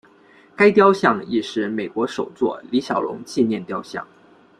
该雕像亦是美国首座李小龙纪念雕像。